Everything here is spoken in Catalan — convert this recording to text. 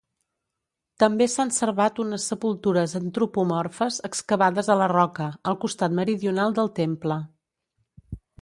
També s'han servat unes sepultures antropomorfes, excavades a la roca, al costat meridional del temple.